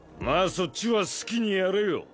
そっちは好きにやれよ